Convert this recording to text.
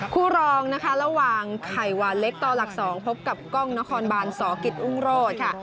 คู่รองนะคะระหว่างไข่หวานเล็กต่อหลัก๒พบกับกล้องนครบานสกิจอุ้งโรศค่ะ